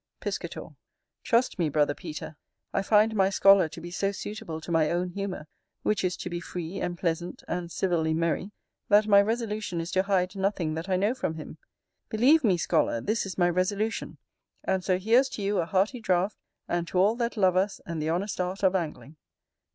Piscator. Trust me, brother Peter, I find my scholar to be so suitable to my own humour, which is to be free and pleasant and civilly merry, that my resolution is to hide nothing that I know from him. Believe me, scholar, this is my resolution; and so here's to you a hearty draught, and to all that love us and the honest art of Angling.